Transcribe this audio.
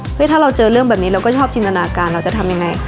ถ้าเราเจอเรื่องแบบนี้เราก็ชอบจินตนาการเราจะทำยังไง